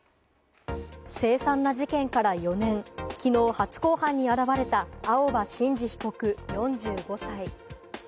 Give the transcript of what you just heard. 凄惨な事件から４年、きのう初公判に現れた青葉真司被告、４５歳。